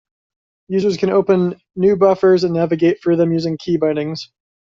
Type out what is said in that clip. Users can open new buffers and navigate through them using key bindings.